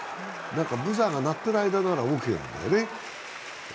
ブザーが鳴っている間ならオーケーなんだよね。